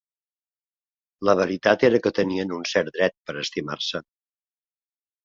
La veritat era que tenien un cert dret per a estimar-se.